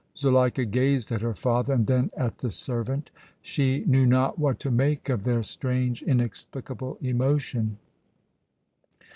Zuleika gazed at her father and then at the servant. She knew not what to make of their strange, inexplicable emotion.